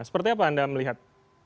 seperti apa anda melihat